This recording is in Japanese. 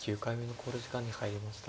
考慮時間に入りました。